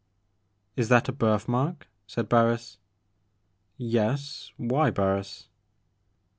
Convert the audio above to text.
" Is that a birthmark ?" said Barris. " Yes—why , Barris